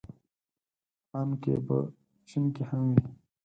ان که په چين کې هم وي.